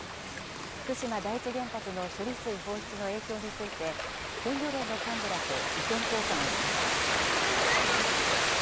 福島第一原発の処理水放出の影響について、県漁連の幹部らと意見交換をしました。